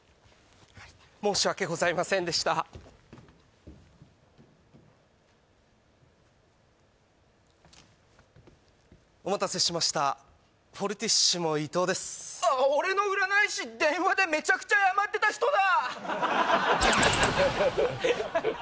はい申し訳ございませんでしたお待たせしましたフォルティッシモ依藤ですあっ俺の占い師電話でメチャクチャ謝ってた人だ